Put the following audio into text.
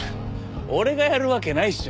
俺がやるわけないっしょ。